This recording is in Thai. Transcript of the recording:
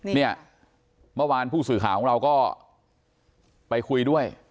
เนี่ยเมื่อวานผู้สื่อข่าวของเราก็ไปคุยด้วย